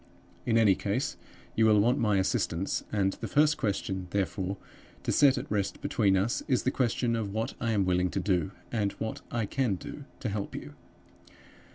In any case, you will want my assistance; and the first question, therefore, to set at rest between us is the question of what I am willing to do, and what I can do, to help you.